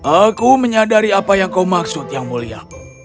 aku menyadari apa yang kau maksud yang mulia